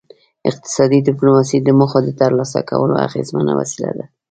اقتصادي ډیپلوماسي د موخو د ترلاسه کولو اغیزمنه وسیله ده